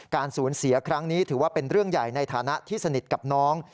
สูญเสียครั้งนี้ถือว่าเป็นเรื่องใหญ่ในฐานะที่สนิทกับน้อง